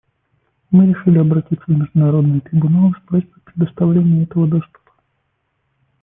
Мы решили обратиться в международные трибуналы с просьбой о предоставлении этого доступа.